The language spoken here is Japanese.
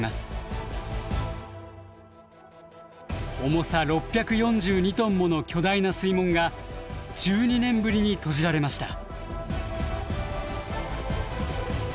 重さ６４２トンもの巨大な水門が１２年ぶりに閉じられました。